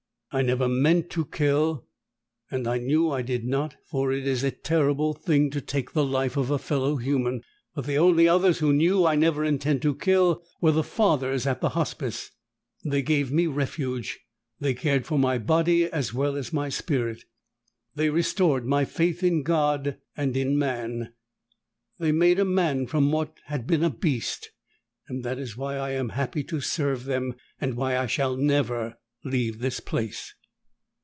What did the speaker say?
I never meant to kill, and I knew I did not, for it is a terrible thing to take the life of a fellow human. But the only others who knew I never intended to kill were the Fathers at the Hospice. They gave me refuge. They cared for my body as well as my spirit. They restored my faith in God and in man. They made a man from what had been a beast. That is why I am happy to serve them and why I shall never leave this place!"